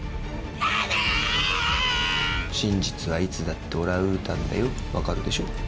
真実はいつだってオランウータンだよ分かるでしょ？